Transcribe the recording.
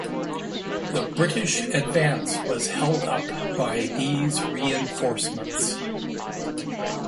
The British advance was held up by these reinforcements.